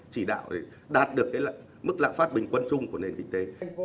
chỉ đạo để đạt được mức lạm phát bình quân chung của nền kinh tế